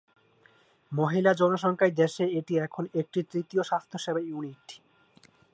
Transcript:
মহিলা জনসংখ্যায় দেশে এটি এখন একটি তৃতীয় স্বাস্থ্যসেবা ইউনিট।